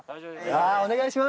あお願いします。